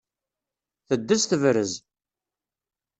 Teddez tebrez!